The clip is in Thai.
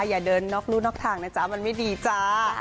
อย่าเดินนอกรู่นอกทางนะจ๊ะมันไม่ดีจ้า